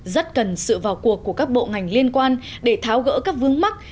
rất cần sự vào cuộc của các bộ ngành liên quan để tháo gỡ các vướng mắt